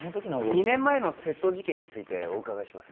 ２年前の窃盗事件についてお伺いします